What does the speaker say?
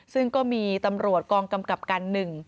ซึ่งก็มีตำรวจกองกำกับกันหนึ่ง